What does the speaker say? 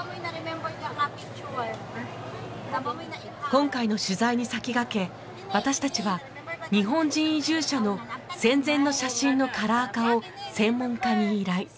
今回の取材に先駆け私たちは日本人移住者の戦前の写真のカラー化を専門家に依頼。